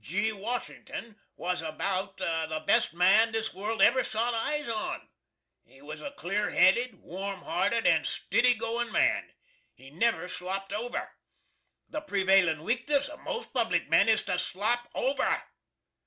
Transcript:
G. Washington was abowt the best man this world ever sot eyes on. He was a clear heded, warm harted, and stiddy goin man. He never slopt over! The prevailin weakness of most public men is to SLOP OVER!